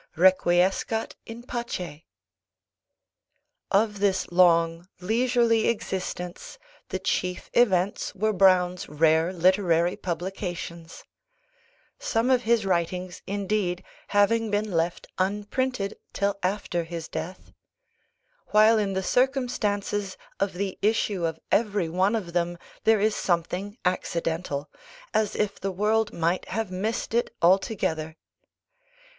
Requiescat in pace! Of this long, leisurely existence the chief events were Browne's rare literary publications; some of his writings indeed having been left unprinted till after his death; while in the circumstances of the issue of every one of them there is something accidental, as if the world might have missed it altogether.